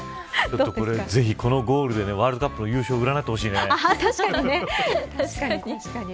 ぜひこのゴールでワールドカップの優勝を確かにね。